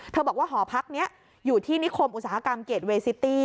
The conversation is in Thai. บอกว่าหอพักนี้อยู่ที่นิคมอุตสาหกรรมเกรดเวซิตี้